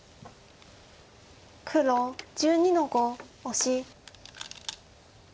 黒１２の五オシ。